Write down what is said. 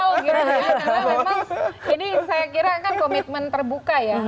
karena memang ini saya kira kan komitmen terbuka ya